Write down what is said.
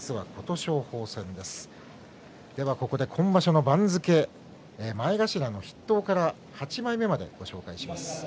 ここで今場所の番付前頭の筆頭から８枚目までをご紹介します。